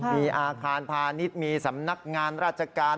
มีอาคารพาณิชย์มีสำนักงานราชการ